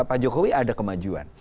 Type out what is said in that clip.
pak jokowi ada kemajuan